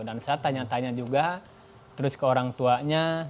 dan saya tanya tanya juga terus ke orang tuanya